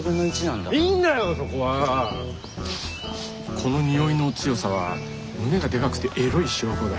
この匂いの強さは胸がでかくてエロい証拠だ。